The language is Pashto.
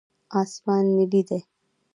اسمان نیلي دی.